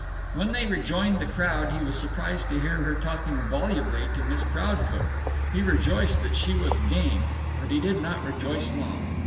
When they rejoined the crowd he was surprised to hear her talking volubly to Miss Proudfoot. He rejoiced that she was "game," but he did not rejoice long.